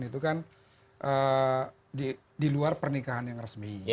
itu kan di luar pernikahan yang resmi